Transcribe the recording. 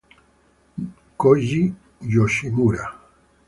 Koji Yoshimura